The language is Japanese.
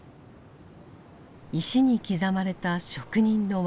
石に刻まれた職人の技。